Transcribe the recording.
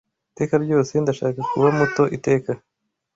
Iteka ryose ndashaka kuba muto iteka